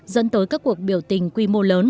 dẫn tới các cuộc biểu tình quy mô lớn